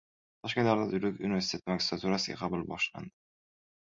Toshkent davlat yuridik universiteti magistraturasiga qabul boshlandi